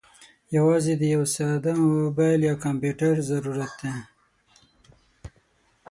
یوازې د یوه ساده موبايل یا کمپیوټر ضرورت دی.